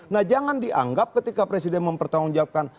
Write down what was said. nah jangan dianggap ketika presiden mempertanggungjawabkan